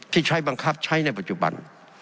ที่ใช้บังคับใช้ในปัจจุบัน